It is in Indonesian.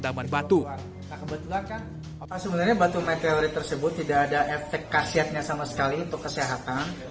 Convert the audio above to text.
jika batu meteorit tersebut tidak ada efek kasihan